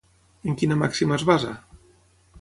En quina màxima es basa?